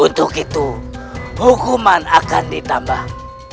untuk itu hukuman akan ditambah